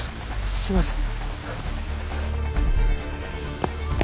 すいません。